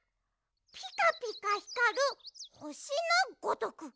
ピカピカひかるほしのごとく！